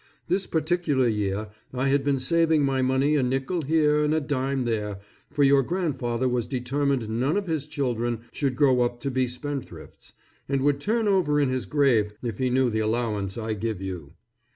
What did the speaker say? This particular year I had been saving my money a nickle here and a dime there, for your grandfather was determined none of his children should grow up to be spendthrifts, and would turn over in his grave if he knew the allowance I give you.